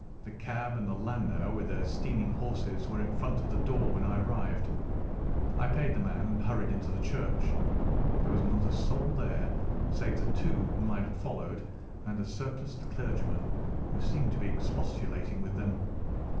The cab and the landau with their steaming horses were in front of the door when I arrived. I paid the man and hurried into the church. There was not a soul there save the two whom I had followed and a surpliced clergyman, who seemed to be expostulating with them.